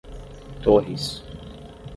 Torres